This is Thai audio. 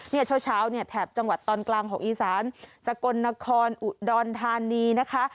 เช้าเนี่ยแถบจังหวัดตอนกลางของอีสานสกลนครอุดรธานีนะคะ